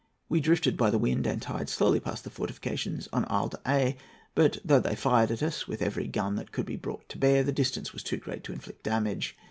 We drifted by the wind and tide slowly past the fortifications on Isle d'Aix; but, though they fired at us with every gun that could be brought to bear, the distance was too great to inflict damage.